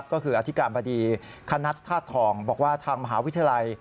ก็คืออธิการบดีคณัฐธาตุทองบอกว่าทางมหาวิทยาลัย